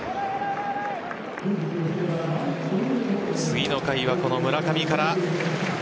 次の回は、この村上から。